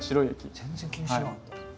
全然気にしてなかった。